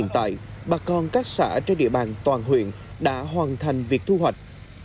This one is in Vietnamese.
hiện tại bà con các xã trên địa bàn toàn huyện đã hoàn thành việc thu hoạch